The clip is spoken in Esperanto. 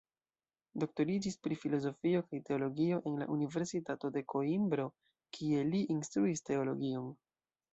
Doktoriĝis pri filozofio kaj teologio en la Universitato de Koimbro, kie li instruis teologion.